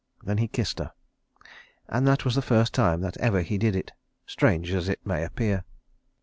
Then he kissed her; and that was the first time that ever he did it, strange as it may appear.